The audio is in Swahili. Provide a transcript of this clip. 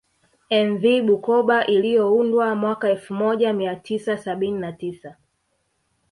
Mv Bukoba iliyoundwa mwaka elfu moja mia tisa sabini na tisa